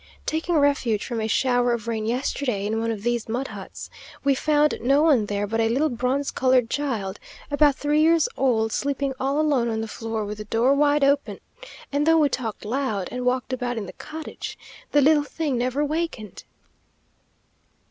Taking refuge from a shower of rain yesterday, in one of these mud huts, we found no one there but a little bronze coloured child, about three years old, sleeping all alone on the floor, with the door wide open; and though we talked loud, and walked about in the cottage, the little thing never wakened.